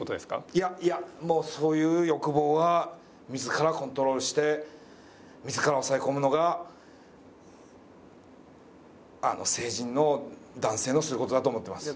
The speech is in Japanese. いやいやもうそういう欲望は自らコントロールして自ら抑え込むのが成人の男性のする事だと思ってます。